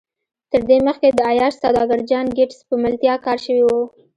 تر دې مخکې د عياش سوداګر جان ګيټس په ملتيا کار شوی و.